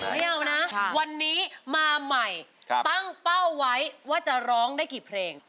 ไม่เอานะวันนี้มาใหม่ตั้งเป้าไว้ว่าจะร้องได้กี่เพลง